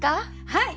はい！